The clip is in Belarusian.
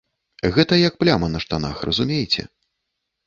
Гэта як пляма на штанах, разумееце?